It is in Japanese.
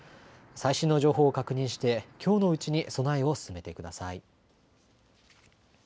最新の情報を確認して、きょうのうちに備えを進めてください。